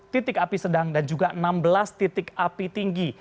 titik api sedang dan juga enam belas titik api tinggi